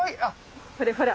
これほら。